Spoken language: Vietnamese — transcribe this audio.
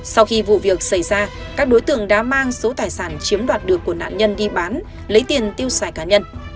sau khi vụ việc xảy ra các đối tượng đã mang số tài sản chiếm đoạt được của nạn nhân đi bán lấy tiền tiêu xài cá nhân